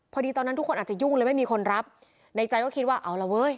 พอดีตอนนั้นทุกคนอาจจะยุ่งเลยไม่มีคนรับในใจก็คิดว่าเอาละเว้ย